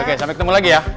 oke sampai ketemu lagi ya